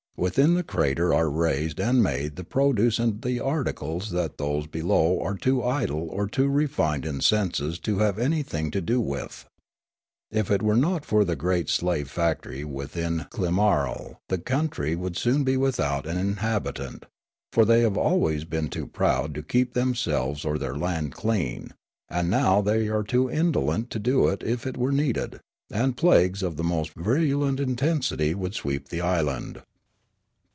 Within the crater are raised and made the produce and the articles that those below are too idle or too refined in senses to have any thing to do with. If it were not for the great slave factor^' within Klimarol the country would soon be without an inhabitant, for they have always been too proud to keep themselves or their land clean, and now the}' are too indolent to do it if it were needed ; and plagues of the most virulent intensity would sweep the island.